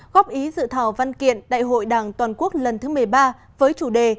góp ý dự thảo văn kiện đại hội đảng toàn quốc lần thứ một mươi ba với chủ đề